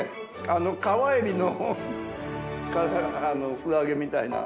あの川エビの素揚げみたいな。